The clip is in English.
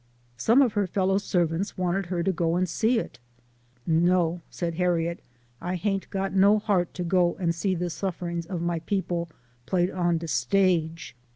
Some of her fellow servants wanted her to go and see it. "No," said Harriet, " I haint got no heart to go and see the sufferings of my peo ple played 011 de stage.